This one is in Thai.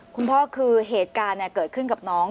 คุณพ่อคือเหตุการณ์เกิดขึ้นกับน้อง